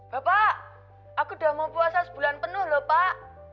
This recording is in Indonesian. bapak aku udah mau puasa sebulan penuh lho pak